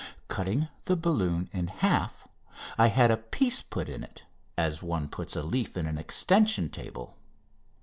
Cutting the balloon in half I had a piece put in it, as one puts a leaf in an extension table.